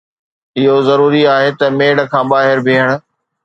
اهو ضروري آهي ته ميڙ کان ٻاهر بيهڻ